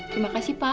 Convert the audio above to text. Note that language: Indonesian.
terima kasih pak